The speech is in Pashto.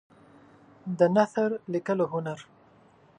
د نثر لیکلو هنر